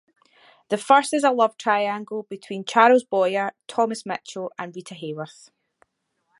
The first is a love triangle between Charles Boyer, Thomas Mitchell, and Rita Hayworth.